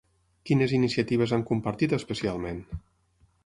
Quines iniciatives han compartit especialment?